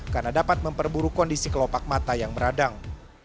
karena dapat memperburuk kondisi kelopak mata yang beradang